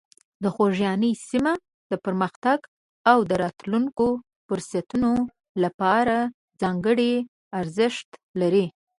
د خوږیاڼي سیمه د پرمختګ او د راتلونکو فرصتونو لپاره ځانګړې ارزښت لري.